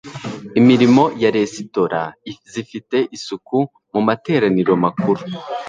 Imirimo ya Resitora Zifite Isuku mu Materaniro Makuru